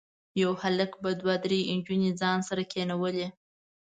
یو هلک به دوه درې نجونې ځان سره کېنولي وي.